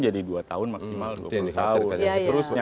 jadi dua tahun maksimal dua puluh tahun